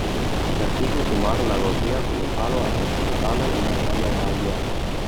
De castigo, su madre lo golpea con un palo hasta provocarle una hemorragia.